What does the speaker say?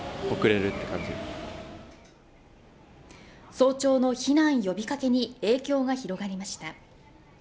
早朝の避難呼びかけに影響が広がりました。